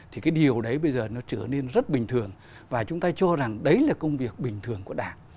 thì cái điều đấy bây giờ nó trở nên rất bình thường và chúng ta cho rằng đấy là công việc bình thường của đảng